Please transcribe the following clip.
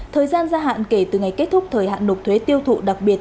thời gian gia hạn kể từ ngày kết thúc thời hạn nộp thuế tiêu thụ đặc biệt